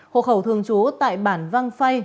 hộ khẩu thường chú tại bản văn phay